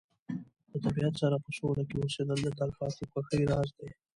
د طبیعت سره په سوله کې اوسېدل د تلپاتې خوښۍ راز دی.